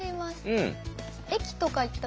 うん。